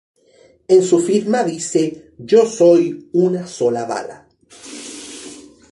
En su firma dice "Yo soy una sola bala.